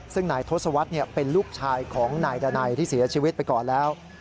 ซึ่งนายทศวรรษเป็นลูกชายของนายดานัยที่เสียชีวิตไปก่อนแล้ว